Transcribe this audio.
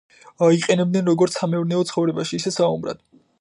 იყენებდნენ როგორც სამეურნეო ცხოვრებაში, ისე საომრად.